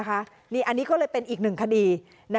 อันนี้ก็เลยเป็นอีกหนึ่งคดี